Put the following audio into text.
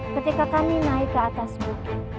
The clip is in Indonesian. ketika kami naik ke atas bukit